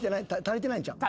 足りてないんちゃう？